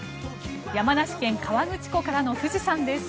山梨県・河口湖からの富士山です。